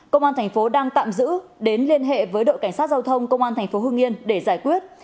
công an tp hương yên đang tạm giữ đến liên hệ với đội cảnh sát giao thông công an tp hương yên để giải quyết